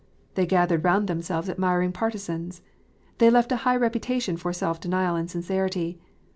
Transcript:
They gathered round themselves admiring partisans. They left a high reputation for self denial and sincerity.